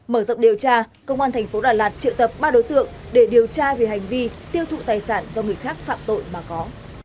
mở rộng điều tra công an tp đà lạt triệu tập ba đối tượng để điều tra về hành vi tiêu thụ tài sản do người khác phạm tội mà có